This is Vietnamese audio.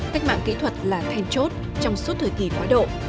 cách mạng kỹ thuật là then chốt trong suốt thời kỳ quá độ